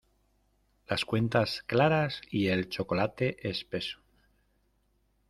Las cuentas claras y el chocolate espeso.